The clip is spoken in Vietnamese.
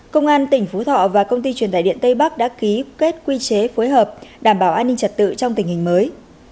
công an tỉnh phú thọ và công ty truyền tài điện tây bắc đã ký kết quy chế phối hợp đảm bảo an ninh trật tự trong tình hình mới